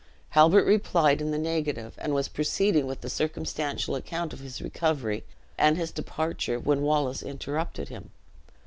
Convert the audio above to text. Halbert replied in the negative, and was proceeding with a circumstantial account of his recovery and his departure when Wallace interrupted him.